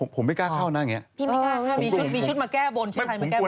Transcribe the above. ผมไม่กล้าเข้านั่งเนี่ยมีชุดมาแก้บนชุดไทยมาแก้บน